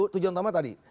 tujuan utama tadi